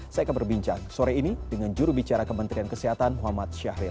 saya akan berbincang sore ini dengan jurubicara kementerian kesehatan muhammad syahril